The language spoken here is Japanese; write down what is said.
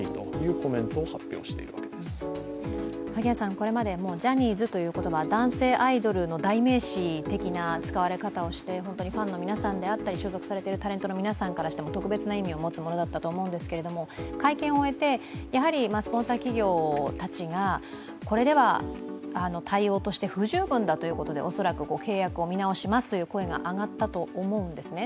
これまでジャニーズという言葉男性アイドルの代名詞的な使われ方をして使われ方をして、ファンの皆さんであったり所属されているタレントの皆さんからしても、特別な意味を持つものだったと思うんですが会見を終えて、スポンサー企業たちがこれでは対応として不十分だということで恐らく契約を見直しますという声が上がったと思うんですね。